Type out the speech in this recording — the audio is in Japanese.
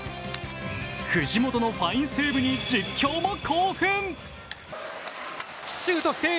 藤本のファインセーブに実況も興奮。